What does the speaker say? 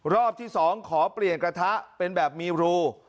รอบที่๒ขอเปลี่ยนกระทะเป็นแบบมีรู